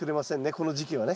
この時期はね。